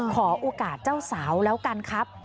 ขอโอกาสเจ้าสาวแล้วกันครับ